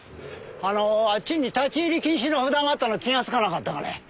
あのあっちに立ち入り禁止の札があったのを気がつかなかったかね？